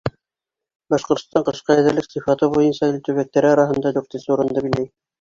Башҡортостан ҡышҡа әҙерлек сифаты буйынса ил төбәктәре араһында дүртенсе урынды биләй.